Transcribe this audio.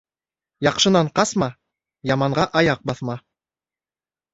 Яҡшынан ҡасма, яманға аяҡ баҫма.